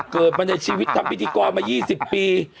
เกิดมาในชีวิตทำพิธีกรมา๒๐ปี